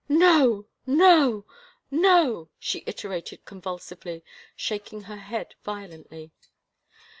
" No — no — no !" she iterated convulsively, shaking her head violently.